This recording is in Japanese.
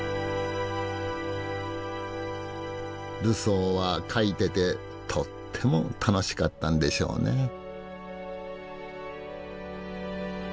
ルソーは描いててとっても楽しかったんでしょうね。